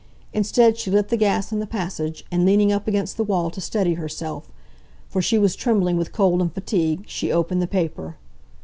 Instead she lit the gas in the passage, and leaning up against the wall to steady herself, for she was trembling with cold and fatigue, she opened the paper.